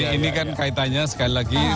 oh ini kan kaitanya sekali lagi